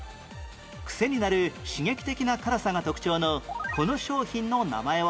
癖になる刺激的な辛さが特徴のこの商品の名前は？